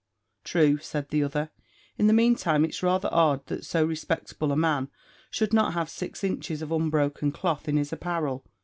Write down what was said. "True," said the other; "in the meantime it's rather odd that so respectable a man should not have six inches of unbroken cloth in his apparel.